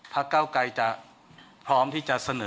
เก้าไกรจะพร้อมที่จะเสนอ